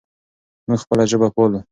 موږ خپله ژبه پالو.